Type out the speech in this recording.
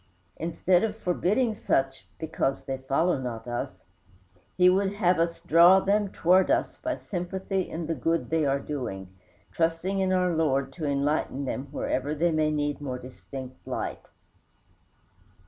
Instead of forbidding such "because they follow not us," he would have us draw them towards us by sympathy in the good they are doing, trusting in our Lord to enlighten them wherever they may need more distinct light.